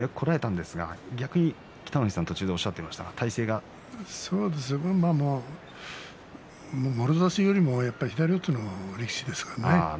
あそこで隠岐の海がよくこらえたんですが逆に北の富士さんおっしゃっていましたがもろ差しよりも左四つの力士ですからね。